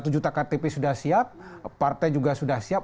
satu juta ktp sudah siap partai juga sudah siap